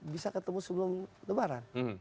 bisa ketemu sebelum lebaran